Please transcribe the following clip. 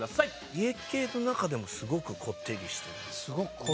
家系の中でもすごくこってりしてます。